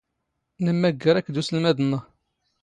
ⵏⵎⵎⴰⴳⴳⴰⵔ ⴰⴽⴷ ⵓⵙⵍⵎⴰⴷ ⵏⵏⵖ.